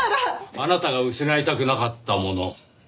あなたが失いたくなかったもの。